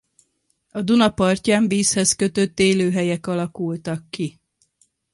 A Duna partján vízhez kötött élőhelyek alakultak ki.